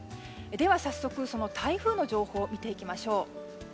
では早速、その台風の情報を見ていきましょう。